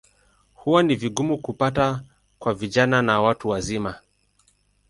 Huwa ni vigumu kupata kwa vijana na watu wazima.